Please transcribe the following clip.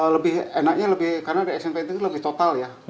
lebih enaknya lebih karena action painting lebih total ya